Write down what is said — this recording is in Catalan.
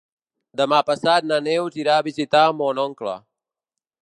Demà passat na Neus irà a visitar mon oncle.